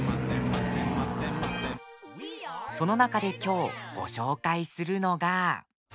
その中で今日、ご紹介するのが。